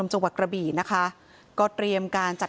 คุณยายบอกว่ารู้สึกเหมือนใครมายืนอยู่ข้างหลัง